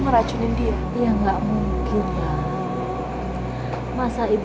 saya sebagai anak yang bisa sisi apa sih